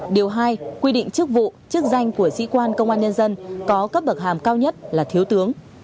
điều hai quy định chức vụ chức danh của sĩ quan công an nhân dân có cấp bậc hàm cao nhất là thiếu tướng